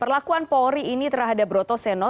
perlakuan polri ini terhadap broto seno